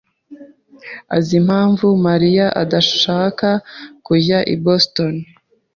azi impamvu Mariya adashaka kujyana i Boston?